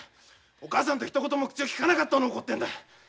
お母さんとひと言も口を利かなかったのを怒ってんだ。